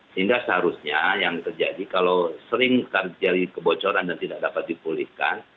sehingga seharusnya yang terjadi kalau sering terjadi kebocoran dan tidak dapat dipulihkan